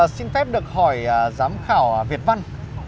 xin phép được hỏi giám khảo việt văn